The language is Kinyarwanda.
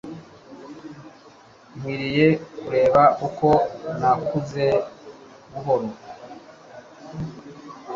nkwiriye kureba uko nakuze buhoro